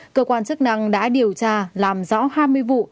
cơ quan chức năng đã điều tra làm rõ hai mươi vụ